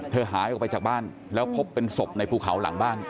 หายออกไปจากบ้านแล้วพบเป็นศพในภูเขาหลังบ้าน